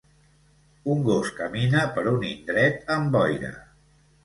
Un gos camina per un indret amb boira